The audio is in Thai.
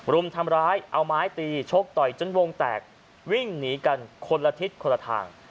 รุมทำร้ายเอาไม้ตีชกต่อยจนวงแตกวิ่งหนีกันคนละทิศคนละทาง